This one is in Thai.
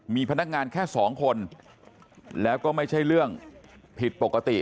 มีพนักงานแค่สองคนแล้วก็ไม่ใช่เรื่องผิดปกติ